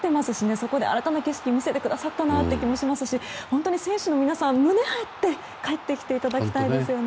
そこで新たな景色を見せてくださったなという気がしますし本当に選手の皆さん、胸張って帰ってきていただきたいですよね。